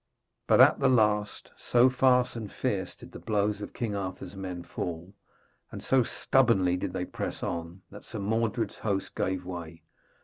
But at the last, so fast and fierce did the blows of King Arthur's men fall, and so stubbornly did they press on, that Sir Mordred's host gave way.